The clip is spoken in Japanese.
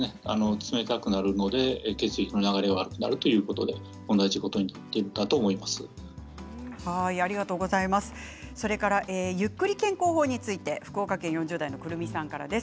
冷たくなると血液の流れ悪くなるということで同じことを言っているんだとそれからゆっくり健康法について福岡県４０代の方です。